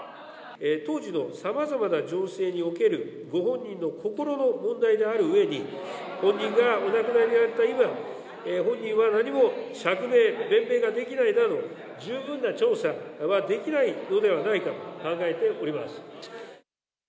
当時のさまざまな情勢における、ご本人の心の問題であるうえに、本人がお亡くなりになった今、本人は何も釈明、弁明ができないなど、十分な調査はできないのではないかと考えております。